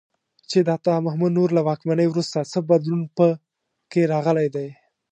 چې د عطا محمد نور له واکمنۍ وروسته څه بدلون په کې راغلی دی.